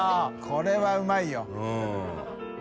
これはうまいよ。